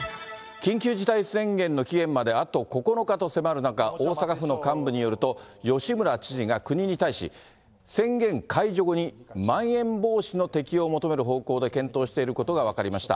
緊急事態宣言の期限まであと９日と迫る中、大阪府の幹部によると、吉村知事が国に対し、宣言解除後にまん延防止の適用を求める方向で検討していることが分かりました。